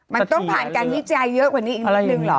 มันต้องผ่านการวิจัยเยอะกว่านี้อีกนิดนึงเหรอ